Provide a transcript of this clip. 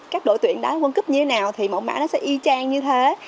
các đội tuyển đá vân cấp như thế nào thì mẫu mã nó sẽ y chang như thế